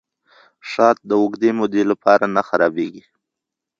شات د اوږدې مودې لپاره نه خرابیږي.